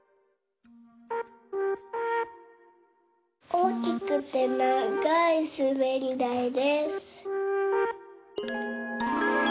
おおきくてながいすべりだいです。